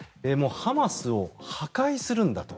ハマスを破壊するんだと。